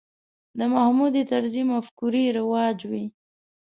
د محمود طرزي مفکورې رواج وې.